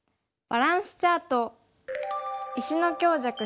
バランスチャート石の強弱